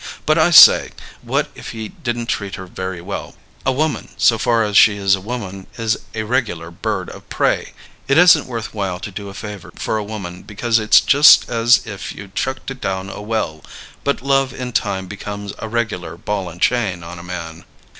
But I say, what if he didn't treat her very well? A woman, so far as she is a woman, is a regular bird of prey. It isn't worth while to do a favor for a woman, because it's just as if you'd chucked it down a well. But love in time becomes a regular ball and chain on a man."